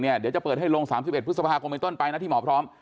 เดี๋ยวจะเปิดให้ลง๓๑พฤษภาคมเป็นต้นไปนะที่หมอพร้อม